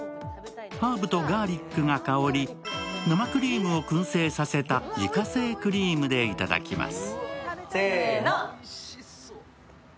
ハーブとガーリックが香り、生クリームをくん製させた自家製クリームでいただきます。